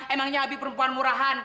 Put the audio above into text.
emangnya abi perempuan murahan